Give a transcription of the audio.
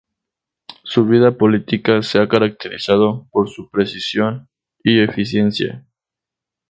Su vida política se ha caracterizado por su precisión y eficiencia.